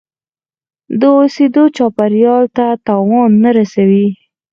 د اوسیدو چاپیریال ته تاوان نه رسوي.